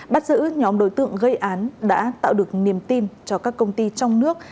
bắt giữ nhóm đối tượng gây án đã tạo được niềm tin cho các công ty trong nước